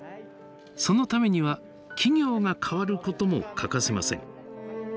そのためには企業が変わることも欠かせません。